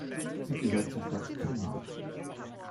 Sie gehört zur Stadt Grimma.